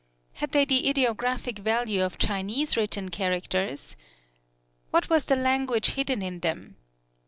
Had they the ideographic value of Chinese written characters? What was the language hidden in them?